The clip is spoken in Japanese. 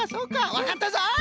わかったぞい！